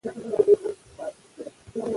خپل قلمونه را واخلئ.